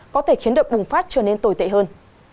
có thể khiến đợt bùng phát trở nên tồi tệ hơn